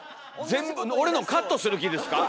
全部俺のカットする気ですか？